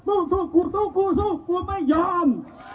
สู้กูสู้กูสู้กูไม่ยอม